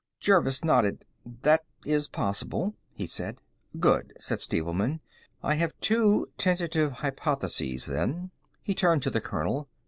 Jervis nodded. "That is possible," he said. "Good," said Stevelman. "I have two tentative hypotheses, then." He turned to the colonel.